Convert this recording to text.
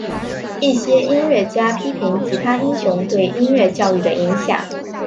一些音乐家批评吉他英雄对音乐教育的影响。